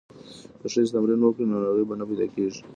که ښځې تمرین وکړي نو ناروغۍ به نه پیدا کیږي.